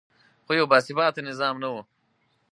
خو یو باثباته نظام نه و